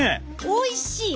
おいしい！